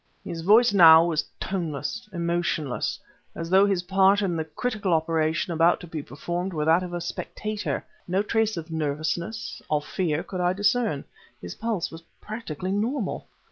His voice, now, was toneless, emotionless, as though his part in the critical operation about to be performed were that of a spectator. No trace of nervousness, of fear, could I discern; his pulse was practically normal.